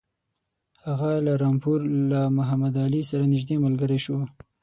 هغه له رامپور له محمدعلي سره نیژدې ملګری شو.